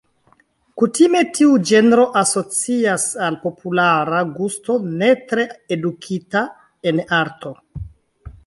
Kutime tiu ĝenro asocias al populara gusto, ne tre edukita en arto.